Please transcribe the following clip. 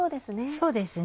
そうですね